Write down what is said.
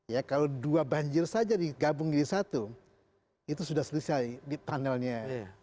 ya kalau dua banjir saja digabung jadi satu itu sudah selesai di panelnya